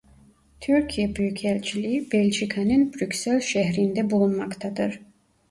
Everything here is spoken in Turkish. Türkiye Büyükelçiliği Belçika'nın Brüksel şehrinde bulunmaktadır.